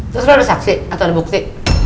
terus lu ada saksi atau ada bukti